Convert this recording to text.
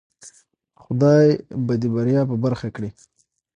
خدای به دی بریا په برخه کړی